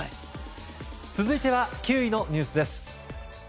続いて９位のニュースです。